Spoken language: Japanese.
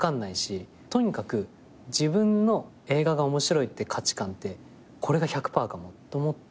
とにかく自分の映画が面白いって価値観ってこれが１００パーかもと思って。